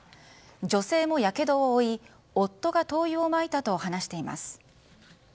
女性もやけどを負い夫が灯油をまいたと話しています。